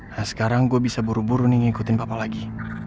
nah sekarang gue bisa buru buru nih ngikutin bapak lagi